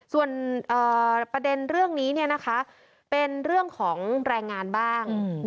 ส่วนประเด็นเรื่องนี้เป็นเรื่องของแรงงานบ้าง